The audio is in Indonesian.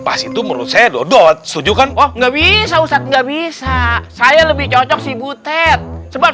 pas itu menurut saya dodot setuju kan oh nggak bisa ustadz nggak bisa saya lebih cocok si butet sebab